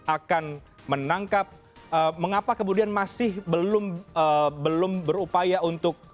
akan menangkap mengapa kemudian masih belum berupaya untuk